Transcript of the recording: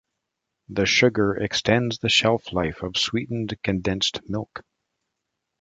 The sugar extends the shelf life of sweetened condensed milk.